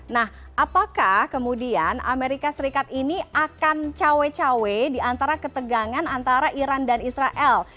nah apakah kemudian amerika serikat ini akan cawe cawe diantara ketegangan antara iran dan israel